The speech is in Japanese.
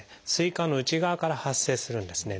膵管の内側から発生するんですね。